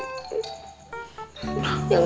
jangan pukulin ya oma